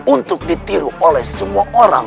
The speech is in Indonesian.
untuk ditiru oleh semua orang